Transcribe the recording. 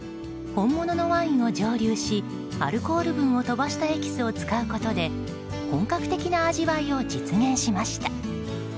本物のワインを蒸留しアルコール分を飛ばしたエキスを使うことで本格的な味わいを実現しました。